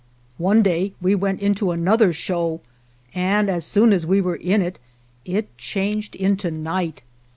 One day we went into another show, and as soon as we were in, it changed into night.